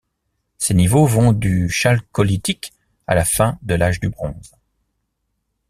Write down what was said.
Ses niveaux vont du Chalcolithique à la fin de l'âge du bronze.